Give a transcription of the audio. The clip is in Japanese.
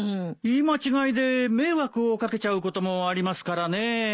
言い間違いで迷惑を掛けちゃうこともありますからね。